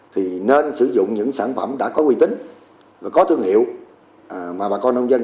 thì nên sử dụng những sản phẩm đã có quy tính và có thương hiệu mà bà con nông dân